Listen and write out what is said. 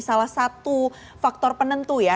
salah satu faktor penentuan